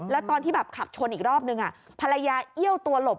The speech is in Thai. แล้วตอนที่แบบขับชนอีกรอบนึงภรรยาเอี้ยวตัวหลบ